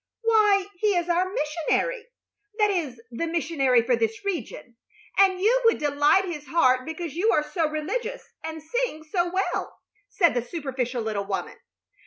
"Why, he is our missionary that is, the missionary for this region and you would delight his heart because you are so religious and sing so well," said the superficial little woman.